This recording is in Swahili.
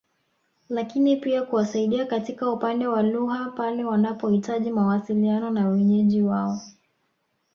Lakini pia kuwasaidia katika upande wa lugha pale wanapohitaji mawasiliano na wenyeji wao